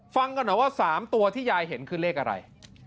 ฟังกันหน่อยว่า๓ตัวที่ยายเห็นคือเลขอะไร